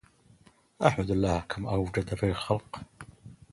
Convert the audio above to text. أحمد الله كم أجود في الخلق